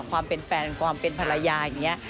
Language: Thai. ความเป็นแฟนความเป็นภรรยาอย่างนี้